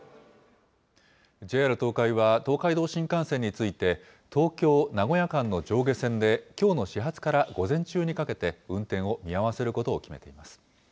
ＪＲ東海は東海道新幹線について、東京・名古屋間の上下線で、きょうの始発から午前中にかけて運転を見合わせることを決めています。